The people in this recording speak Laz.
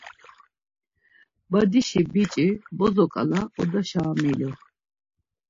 Badişi biç̌i bozo ǩala odaşa amilu.